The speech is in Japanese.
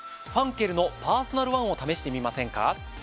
ファンケルのパーソナルワンを試してみませんか？